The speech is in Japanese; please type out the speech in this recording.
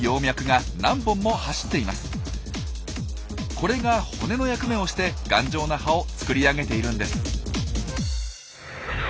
これが骨の役目をして頑丈な葉を作り上げているんです。